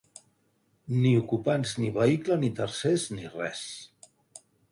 Ni ocupants ni vehicle ni tercers ni res.